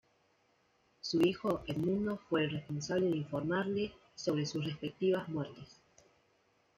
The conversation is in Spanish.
Su hijo Edmundo fue el responsable de informarle sobre sus respectivas muertes.